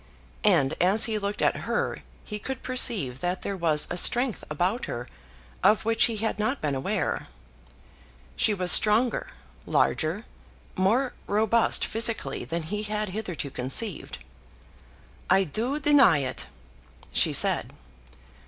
And as he looked at her he could perceive that there was a strength about her of which he had not been aware. She was stronger, larger, more robust physically than he had hitherto conceived. "I do deny it," she said.